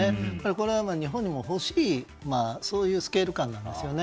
これは日本にも欲しいスケール感ですよね。